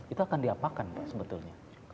itu akan diapakan pak sebetulnya